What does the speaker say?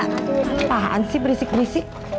apaan sih berisik berisik